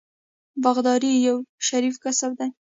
باغداري یو شریف کسب دی.